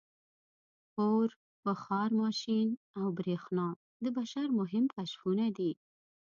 • اور، بخار ماشین او برېښنا د بشر مهم کشفونه دي.